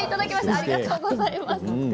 ありがとうございます。